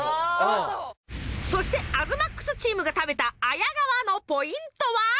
そして東ＭＡＸチームが食べた綾川のポイントは？